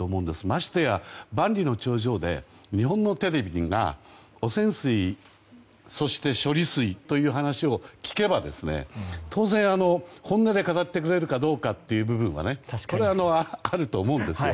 ましてや、万里の長城で日本のテレビが汚染水、そして処理水という話を聞けば当然、本音で語ってくれるかどうかというこれは、あると思うんですよ。